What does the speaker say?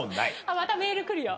またメール来るよ。